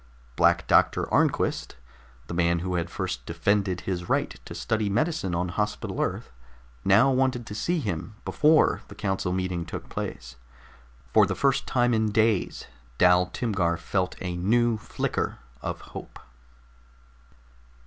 Black Doctor Arnquist, the man who had first defended his right to study medicine on Hospital Earth, now wanted to see him before the council meeting took place. For the first time in days, Dal Timgar felt a new flicker of hope.